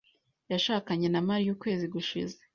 Yashakanye na Mariya ukwezi gushize.